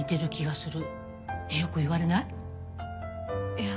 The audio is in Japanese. いや。